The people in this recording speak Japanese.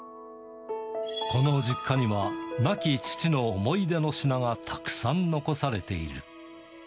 この実家には、亡き父の思い出の品がたくさん残されている。